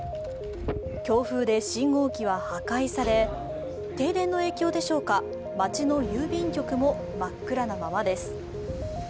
強風で信号機は破壊され、停電の影響でしょうか、街の郵便局も真っ暗なままです。